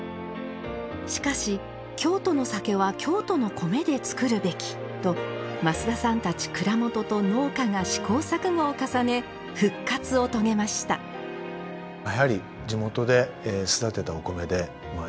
しかし京都の酒は京都の米で造るべきと増田さんたち蔵元と農家が試行錯誤を重ね復活を遂げましたさあ